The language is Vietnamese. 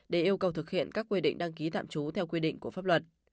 để yêu cầu thực hiện các quy định đăng ký tạm trú theo quy định của pháp luật